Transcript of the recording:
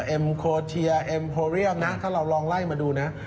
เอ็มโคเทียเอ็มโพเรียมนะถ้าเราลองไล่มาดูนะ